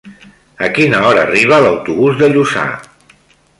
A quina hora arriba l'autobús de Lluçà?